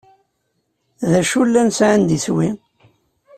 D acu llan sɛan d iswi?